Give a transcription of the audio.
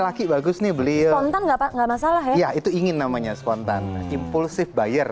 laki bagus nih beliau ntar enggak masalah ya itu ingin namanya spontan impulsif bayar